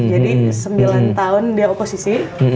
jadi sembilan tahun dia oposisi